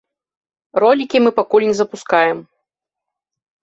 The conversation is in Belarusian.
Ролікі мы пакуль не запускаем.